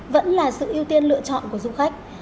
vẫn là sự ưu tiên lựa chọn của du khách